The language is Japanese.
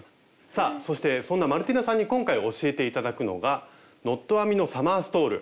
さあそしてそんなマルティナさんに今回教えて頂くのが「ノット編みのサマーストール」。